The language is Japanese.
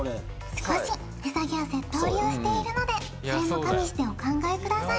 しかし値下げやセット売りをしているのでそれも加味してお考えください